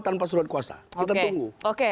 tanpa surat kuasa kita tunggu